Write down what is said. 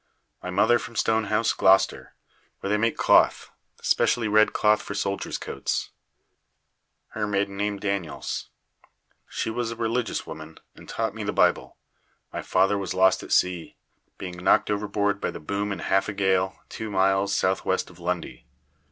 My mother from Stonehouse, Gloster, where they make cloth, specially red cloth for soldiers' coats. Her maiden name Daniels. She was a religious woman, and taught me the Bible. My father was lost at sea, being knocked overboard by the boom in half a gale, two miles S.W. of Lundy.